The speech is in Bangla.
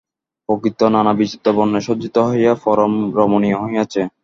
প্রকৃতি নানা বিচিত্র বর্ণে সজ্জিত হইয়া পরম রমণীয় হইয়াছে।